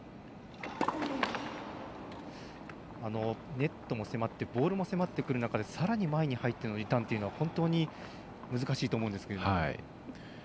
ネットも迫ってボールも迫ってくる中でさらに前に入ってのリターンというのは本当に難しいと思うんですけど。